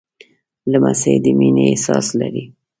لمسی د مینې احساس لري.